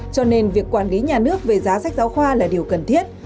cho nên việc quản lý nhà nước về giá sách giáo khoa là điều cần thiết